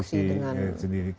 bisa kan memproduksi dengan